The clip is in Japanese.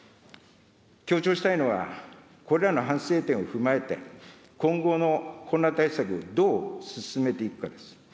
強調したいのは、これらの反省点を踏まえて、今後のコロナ対策、どう進めていくかです。